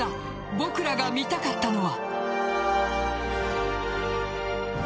僕らが見たかったのは。